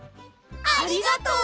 ありがとう！